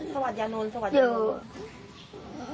สวัสดียานโน้นสวัสดียานโน้น